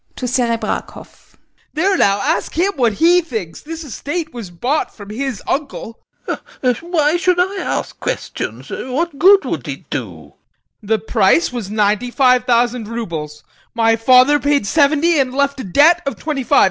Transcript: [To SEREBRAKOFF] There now, ask him what he thinks; this estate was bought from his uncle. SEREBRAKOFF. Ah! Why should I ask questions? What good would it do? VOITSKI. The price was ninety five thousand roubles. My father paid seventy and left a debt of twenty five.